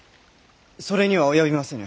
それには及びませぬ。